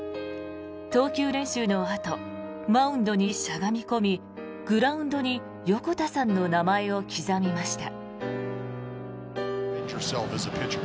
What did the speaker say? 投球練習のあとマウンドにしゃがみ込みグラウンドに横田さんの名前を刻みました。